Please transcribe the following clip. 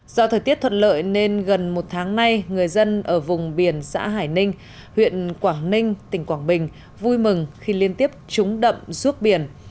do thời tiết thuận lợi nên gần một tháng nay người dân ở vùng biển xã hải ninh huyện quảng ninh tỉnh quảng bình vui mừng khi liên tiếp trúng đậm ruốc biển